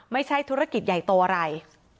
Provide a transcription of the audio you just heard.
ไม่ใช่ธุรกิจใหญ่โตอะไร